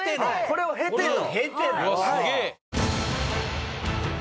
これを経ての。